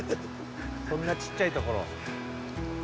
そんなちっちゃいところ。